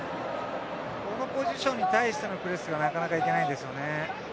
このポジションに対してのプレスがなかなか行けないですよね。